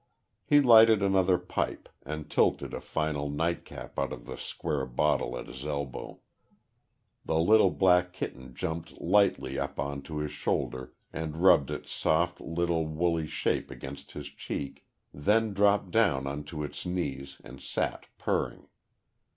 He lighted another pipe, and tilted a final "nightcap" out of the square bottle at his elbow. The little black kitten jumped lightly up on to his shoulder and rubbed its soft little woolly shape against his cheek, then dropped down on to his knees and sat purring.